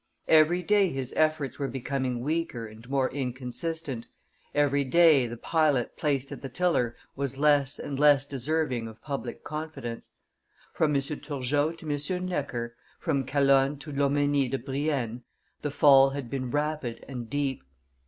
Every day his efforts were becoming weaker and more inconsistent, every day the pilot placed at the tiller was less and less deserving of public confidence. From M. Turgot to M. Necker, from Calonne to Lomenie de Brienne, the fall had been rapid and deep.